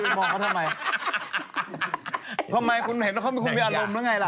คุณมองเขาทำไมทำไมคุณเห็นว่าเขาคงมีอารมณ์หรือไงล่ะ